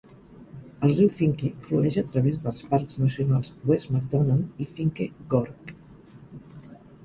El riu Finke flueix a través dels parcs nacionals West MacDonnell i Finke Gorge.